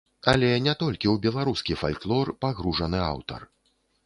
Але не толькі ў беларускі фальклор пагружаны аўтар.